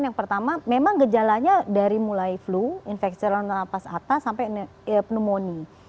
yang pertama memang gejalanya dari mulai flu infeksi saluran nafas atas sampai pneumonia